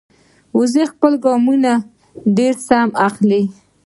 وزې خپل ګامونه ډېر سم اخلي